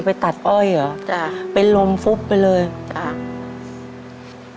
ไปตัดอ้อยเหรอจ้ะเป็นลมฟุบไปเลยจ้ะ